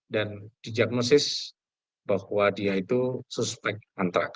dan dijagnosis bahwa dia itu suspek antrax